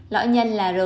lõi nhân là rau